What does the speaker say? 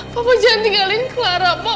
pak jangan tinggalin clara pak